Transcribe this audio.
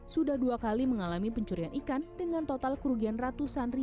sudah dua kali mengalami pencurian ikan dengan total kerugian ratusan